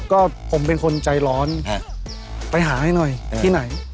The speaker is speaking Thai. ก็ผมเป็นคนใจร้อนไปหาให้หน่อยที่ไหน